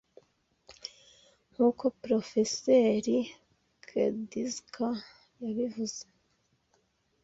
nkuko Profeseri Kedzierska yabivuze